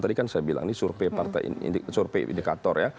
tadi kan saya bilang ini survei indikator ya